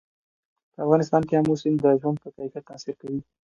په افغانستان کې آمو سیند د ژوند په کیفیت تاثیر کوي.